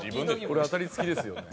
これ当たり付きですよね。